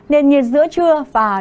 nền nhiệt giữa trưa và đầu giờ chiều